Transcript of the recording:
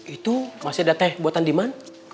itu masih ada teh buatan demand